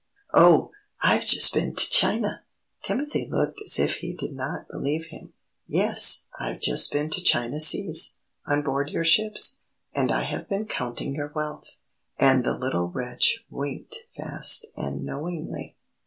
"Oh, I've just been to China!" Timothy looked as if he did not believe him. "Yes, I've just been to the China seas, on board your ships, and I have been counting your wealth." And the little wretch winked fast and knowingly.